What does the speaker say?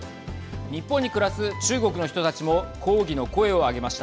日本に暮らす中国の人たちも抗議の声を上げました。